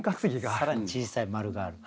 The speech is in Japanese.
更に小さい円がある。